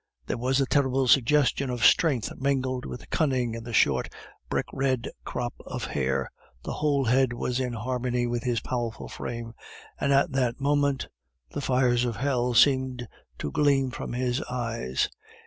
There was a terrible suggestion of strength mingled with cunning in the short, brick red crop of hair, the whole head was in harmony with his powerful frame, and at that moment the fires of hell seemed to gleam from his eyes.